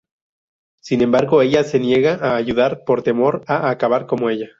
Sin embargo, ella se niega a ayudar por temor a acabar como ella.